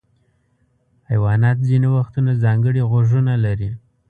حیوانات ځینې وختونه ځانګړي غوږونه لري.